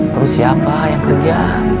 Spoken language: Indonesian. terus siapa yang kerja